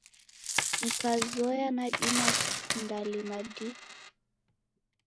Nikazoya nadima kusindalima dii.